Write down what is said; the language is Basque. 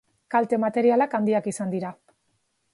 Kalte materialak handiak izan dira.